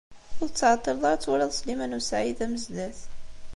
Ur tettɛeṭṭileḍ ara ad twaliḍ Sliman u Saɛid Amezdat.